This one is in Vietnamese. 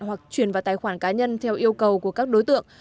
hoặc chuyển vào tài khoản cá nhân theo yêu cầu của các đối tượng